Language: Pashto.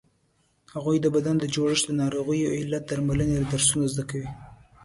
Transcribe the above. هغوی د بدن د جوړښت، د ناروغیو د علت او درملنې درسونه زده کوي.